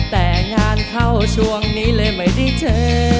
แต่งานเข้าช่วงนี้เลยไม่ได้เจอ